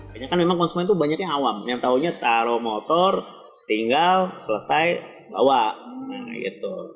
banyaknya kan memang konsumen itu banyaknya awam yang tahunya taruh motor tinggal selesai bawa nah itu